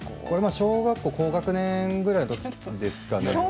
小学校高学年ぐらいのときでしょうかね。